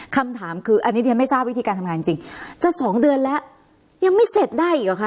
คำถามคืออันนี้เรียนไม่ทราบวิธีการทำงานจริงจะสองเดือนแล้วยังไม่เสร็จได้อีกหรอคะ